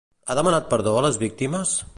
Ha demanat perdó a les víctimes?